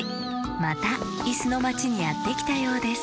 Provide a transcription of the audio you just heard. またいすのまちにやってきたようです